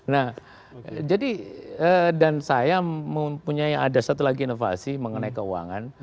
nah jadi dan saya mempunyai ada satu lagi inovasi mengenai keuangan